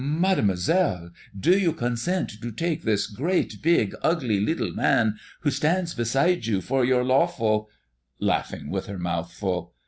'Mademoiselle, do you consent to take this great big ugly little man who stands beside you for your lawful ' [Laughing with her mouth full.